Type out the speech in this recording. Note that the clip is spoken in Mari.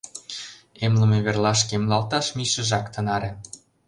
Эмлыме верлашке эмлалташ мийышыжак тынаре!